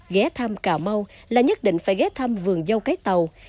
ghé thăm cà mau là nhất định phải ghé thăm vườn dâu cái tàu